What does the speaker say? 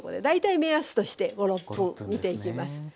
大体目安として５６分見ていきます。